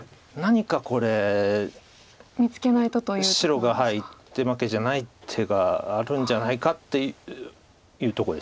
白が１手負けじゃない手があるんじゃないかっていうとこですよね。